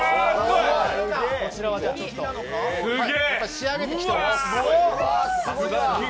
やっぱり仕上げてきております。